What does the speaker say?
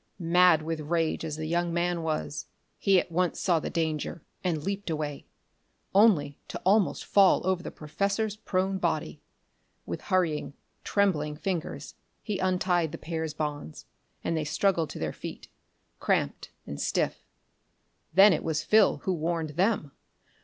Mad with rage as the young man was, he at once saw the danger and leaped away only to almost fall over the professor's prone body. With hurrying, trembling fingers he untied the pair's bonds, and they struggled to their feet, cramped and stiff. Then it was Phil who warned them.